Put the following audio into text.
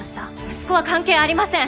息子は関係ありません！